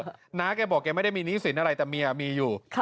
น้าแกบอกแกไม่ได้มีหนี้สินอะไรแต่เมียมีอยู่